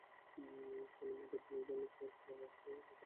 তখনো মাঠে পানি জমে থাকায় খেলা পুনরায় শুরু করা সম্ভব হয়নি।